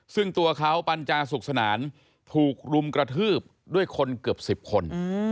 ซึ่งตัวเขาปัญญาสุขสนานถูกรุมกระทืบด้วยคนเกือบ๑๐คน